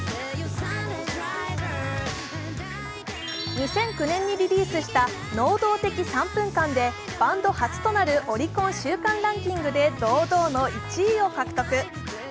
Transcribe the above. ２００９年にリリースした「能動的三分間」で、バンド初となるオリコン週間ランキングで堂々の１位を獲得。